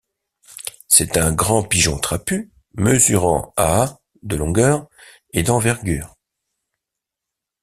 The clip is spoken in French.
C'est un grand pigeon trapu, mesurant à de longueur, et d'envergure.